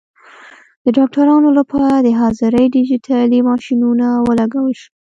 د ډاکټرانو لپاره د حاضرۍ ډیجیټلي ماشینونه ولګول شول.